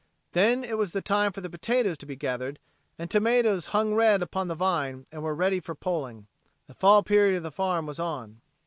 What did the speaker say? Then it was the time for the potatoes to be gathered, and tomatoes hung red upon the vine and were ready for pulling. The fall period of the farm was on.